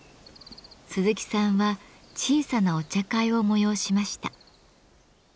鈴木さんは小さなお茶会を催しました。